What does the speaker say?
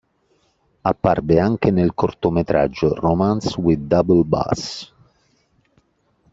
Apparve anche nel cortometraggio "Romance with a Double Bass".